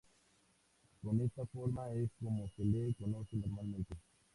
Con esta forma es como se le conoce normalmente.